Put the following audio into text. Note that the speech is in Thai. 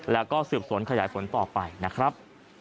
แล้วก็สืบสวนขยายผลต่อไปนะครับ